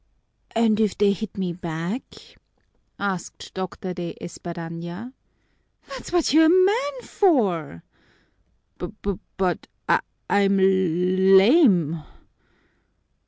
"And if they hit me back?" asked Dr. De Espadaña. "That's what you're a man for!" "B but, I'm l lame!"